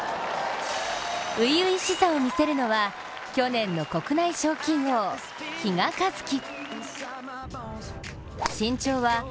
初々しさを見せるのは去年の国内賞金王比嘉一貴。